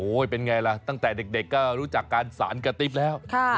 เป็นไงล่ะตั้งแต่เด็กก็รู้จักการสารกระติ๊บแล้ว